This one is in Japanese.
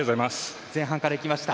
前半からいきました。